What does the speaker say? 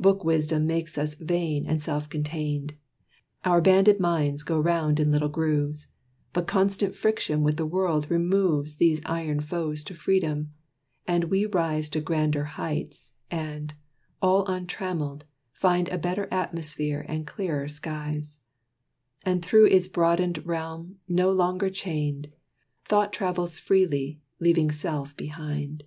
Book wisdom makes us vain and self contained; Our banded minds go round in little grooves; But constant friction with the world removes These iron foes to freedom, and we rise To grander heights, and, all untrammeled, find A better atmosphere and clearer skies; And through its broadened realm, no longer chained, Thought travels freely, leaving Self behind.